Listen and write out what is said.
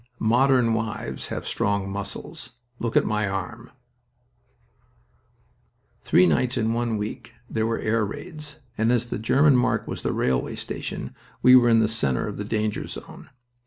"Modern wives have strong muscles. Look at my arm!" Three nights in one week there were air raids, and as the German mark was the railway station we were in the center of the danger zone.